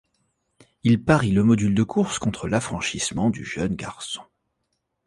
Il parie le module de course contre l'affranchissement du jeune garçon.